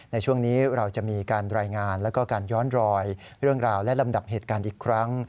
ในช่วงนี้เราจะมีการรายงานแล้วก็การย้อนรอยเรื่องราวและลำดับเหตุการณ์อีกครั้ง